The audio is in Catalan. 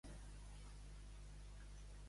Tururut pa amb oli!